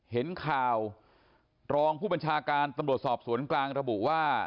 เห็นข่าวรองผู้บัญชาการตำรวจสอบสวนกลางระบุว่า